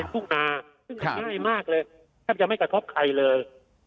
กิจการรวมการถูกกันไงขอบคุณมากเลยครับก็ยังไม่กระทบใครเลย